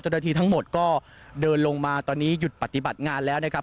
ทั้งหมดก็เดินลงมาตอนนี้หยุดปฏิบัติงานแล้วนะครับ